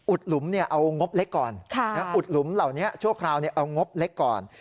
หลุมเอางบเล็กก่อนอุดหลุมเหล่านี้ชั่วคราวเอางบเล็กก่อน